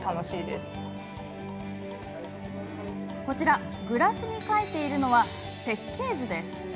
こちらグラスに描いているのは設計図。